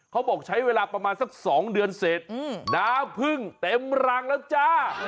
เขาบอกใช้เวลาประมาณสัก๒เดือนเสร็จน้ำพึ่งเต็มรังแล้วจ้า